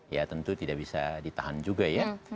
ya tentu tidak bisa ditahan juga ya